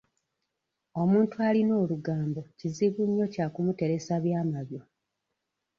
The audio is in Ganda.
Omuntu alina olugambo kizibu nnyo kya kumuteresa byama byo.